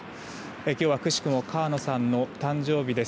今日はくしくも川野さんの誕生日です。